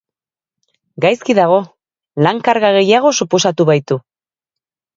Gaizki dago, lan karga gehiago suposatu baitu.